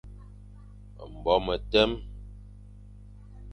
Mbo metem,